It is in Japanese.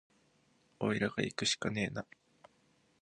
おいらがいくしかねえな